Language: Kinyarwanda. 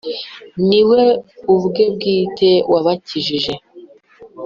ni we ubwe bwite wabakijije;